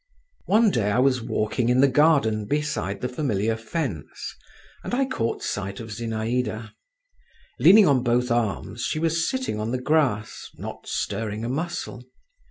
One day I was walking in the garden beside the familiar fence, and I caught sight of Zinaïda; leaning on both arms, she was sitting on the grass, not stirring a muscle.